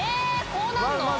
こうなんの！？